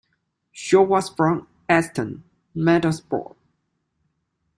Short was from Eston, Middlesbrough.